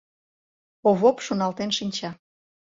Овоп шоналтен шинча...